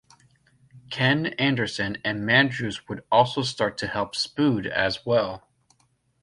Ken Anderson and Mandrews would also start to help Spud as well.